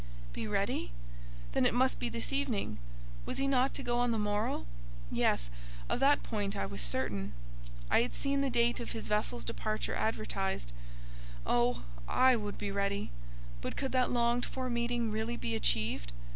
"Be ready?" Then it must be this evening: was he not to go on the morrow? Yes; of that point I was certain. I had seen the date of his vessel's departure advertised. Oh! I would be ready, but could that longed for meeting really be achieved?